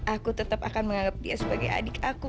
aku tetap akan menganggap dia sebagai adik aku